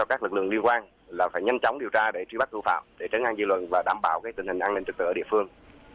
các lực lượng liên quan là phải nhanh chóng điều tra để truy bắt thủ phạm để tránh ngăn dư luận và đảm bảo tình hình an ninh trực tự ở địa phương